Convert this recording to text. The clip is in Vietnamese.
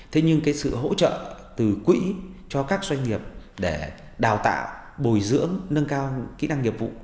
thế nhưng sự hỗ trợ từ quỹ cho các doanh nghiệp để đào tạo bồi dưỡng nâng cao kỹ năng nghiệp vụ